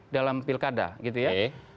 dalam pilkada gitu ya